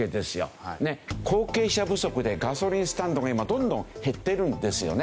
後継者不足でガソリンスタンドが今どんどん減ってるんですよね。